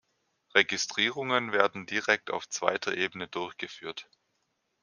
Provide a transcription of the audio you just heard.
Registrierungen werden direkt auf zweiter Ebene durchgeführt.